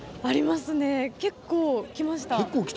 ありますね結構来ました。